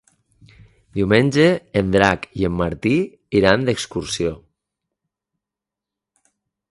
Diumenge en Drac i en Martí iran d'excursió.